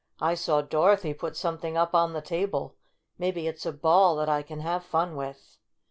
I saw Dorothy put something up on the table. Maybe it's a ball that I can have fun with!"